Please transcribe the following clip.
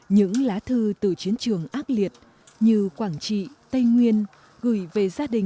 những lá thư từ chiến trường ác liệt như quảng trị tây nguyên gửi về gia đình